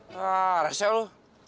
hah rasanya lu